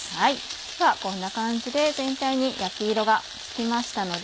ではこんな感じで全体に焼き色がつきましたので。